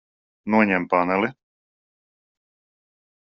Noņem paneli.